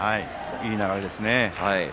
いい流れですね。